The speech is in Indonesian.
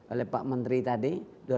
oleh pak menteri tadi